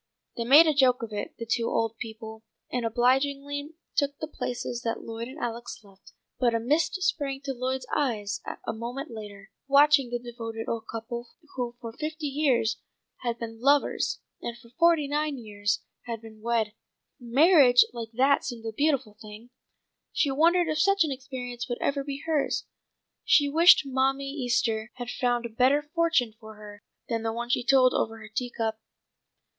_'" They made a joke of it, the two old people, and obligingly took the places that Lloyd and Alex left, but a mist sprang to Lloyd's eyes a moment later, watching the devoted old couple who for fifty years had been lovers and for forty nine years had been wed. Marriage like that seemed a beautiful thing; she wondered if such an experience would ever be hers. She wished Mammy Easter had found a better fortune for her than the one she told over her tea cup.